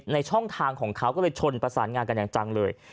ช่องทางของเขาก็เลยชนประสานงานกันอย่างจังเลย